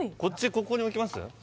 ここに起きます？